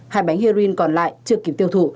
hai bánh heroin còn lại chưa kịp tiêu thụ